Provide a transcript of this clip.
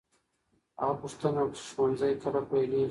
هغه پوښتنه وکړه چې ښوونځی کله پیلېږي.